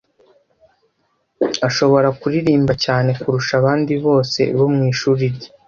Ashobora kuririmba neza kurusha abandi bose bo mu ishuri rye.